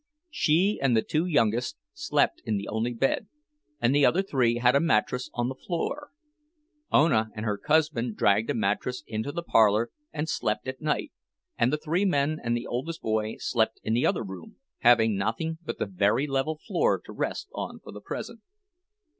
She and the two youngest slept in the only bed, and the other three had a mattress on the floor. Ona and her cousin dragged a mattress into the parlor and slept at night, and the three men and the oldest boy slept in the other room, having nothing but the very level floor to rest on for the present.